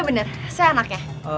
bener saya anaknya